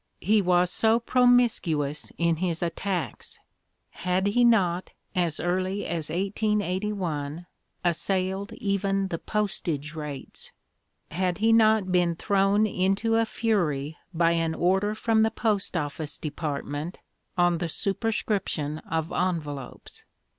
He was so promiscuous in his attacks ! Had he not, as early as 1881, assailed even the postage rates ; had he not been thrown into a fury by an order from the Post Office Department on the superscription of envelopes